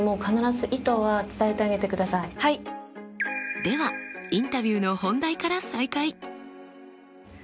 ではインタビューの本題から再開！